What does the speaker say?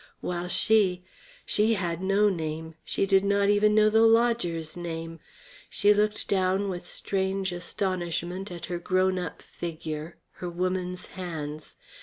While she she had no name, she did not even know the lodger's name. She looked down with strange astonishment at her grown up figure, her woman's hands.